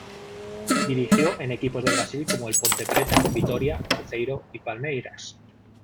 Dirigió en equipos de Brasil como el Ponte Preta, Vitória, Cruzeiro y Palmeiras.